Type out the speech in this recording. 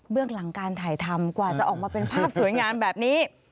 เรื่องหลังการถ่ายทำกว่าจะออกมาเป็นภาพสวยงามแบบนี้